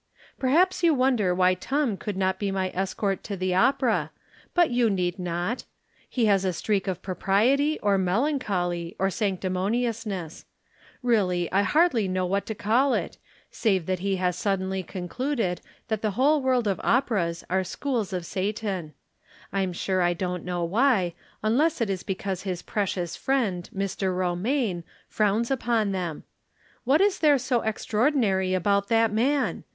Perhaps you wonder why Tom could not be my escort to the opera; but you need not. He has a streak of propriety, or melancholy, or sanc timoniousness. Really, I hardly know what to call ib, save that he has suddenly concluded that the whole world of operas are schools of Satan. I'm siu e I don't know why, unless it is because his precious friend, Mr. Eomaine, frowns upon them. What is there so extraordinary about that man